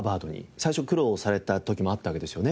最初苦労された時もあったわけですよね。